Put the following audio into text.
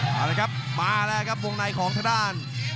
เอาละครับมาแล้วครับวงในของทางด้าน